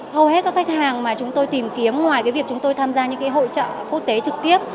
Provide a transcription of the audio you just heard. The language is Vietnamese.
hầu hết các khách hàng mà chúng tôi tìm kiếm ngoài việc chúng tôi tham gia những hội trợ quốc tế trực tiếp